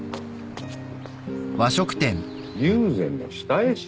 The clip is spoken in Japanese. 友禅の下絵師？